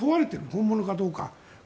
本物かどうか。